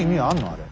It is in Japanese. あれ。